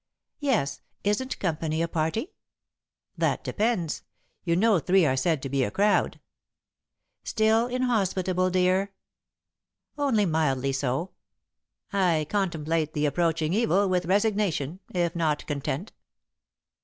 "Yes. Isn't company a party?" "That depends. You know three are said to be a crowd." "Still inhospitable, dear?" "Only mildly so. I contemplate the approaching evil with resignation, if not content."